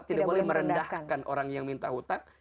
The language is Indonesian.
tidak boleh merendahkan orang yang minta hutang